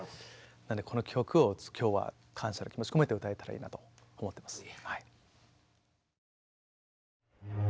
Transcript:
なのでこの曲を今日は感謝の気持ちを込めて歌えたらいいなと思っています。